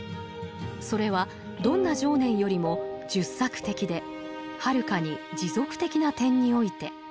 それはどんな情念よりも術策的ではるかに持続的な点において。